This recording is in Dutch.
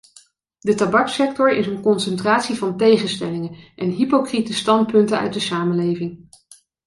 De tabakssector is een concentratie van tegenstellingen en hypocriete standpunten uit de samenleving.